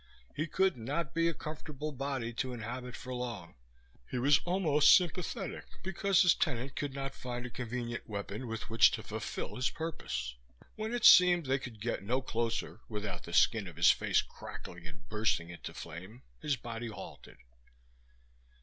He could not be a comfortable body to inhabit for long. He was almost sympathetic because his tenant could not find a convenient weapon with which to fulfill his purpose. When it seemed they could get no closer without the skin of his face crackling and bursting into flame his body halted.